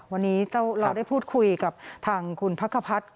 วันนี้เราได้พูดคุยกับทางคุณพักขพัฒน์